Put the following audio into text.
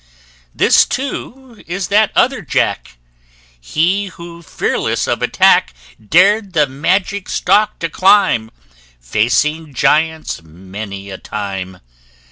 This, too, is that other Jack He who, fearless of attack, Dared the magic stalk to climb, Facing giants many a time!